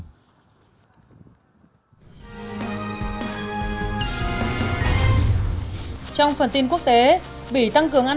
mỹ cuba ký kết hợp đồng xuất khẩu đầu tiên sau hơn nửa thế kỷ cấm vận